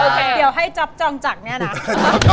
เดี๋ยวให้จ๊อปจ้องจักเนี่ยนะ